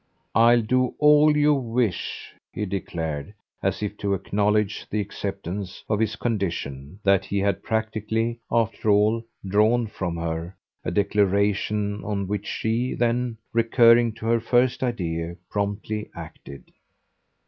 "I'll do all you wish," he declared as if to acknowledge the acceptance of his condition that he had practically, after all, drawn from her a declaration on which she then, recurring to her first idea, promptly acted.